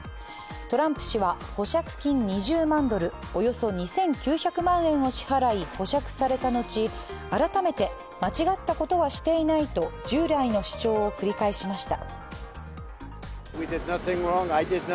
トランプ氏は保釈金２０万ドル、およそ２９００万円を支払い保釈されたのち、改めて間違ったことはしていないと従来の主張を繰り返しました。